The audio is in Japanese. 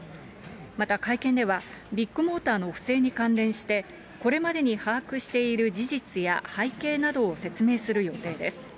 また、会見ではビッグモーターの不正に関連して、これまでに把握している事実や背景などを説明する予定です。